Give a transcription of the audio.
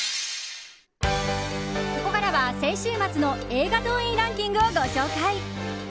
ここからは先週末の映画動員ランキングを、ご紹介。